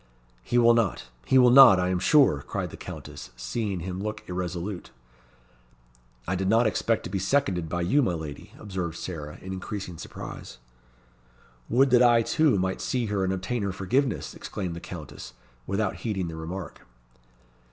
"He will not he will not, I am sure," cried the Countess, seeing him look irresolute. "I did not expect to be seconded by you, my lady," observed Sarah, in increasing surprise. "Would that I, too, might see her and obtain her forgiveness!" exclaimed the Countess, without heeding the remark.